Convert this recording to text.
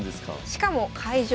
しかも会場